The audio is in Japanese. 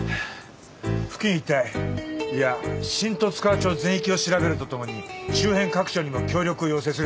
付近一帯いや新十津川町全域を調べるとともに周辺各署にも協力を要請する。